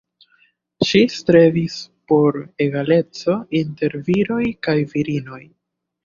Ŝi strebis por egaleco inter viroj kaj virinoj.